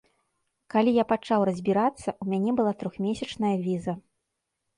Калі я пачаў разбірацца, у мяне была трохмесячная віза.